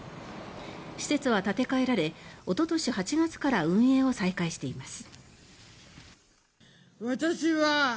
施設は建て替えられおととし８月から運営を再開しています。